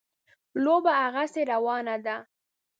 لوبه هغسې روانه ده.